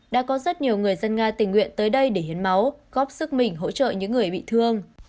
đã có rất nhiều người dân nga tình nguyện tới đây để hiến máu góp sức mình hỗ trợ những người bị thương